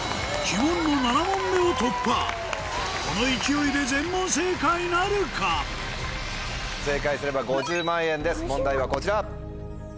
この勢いで正解すれば５０万円です問題はこちら！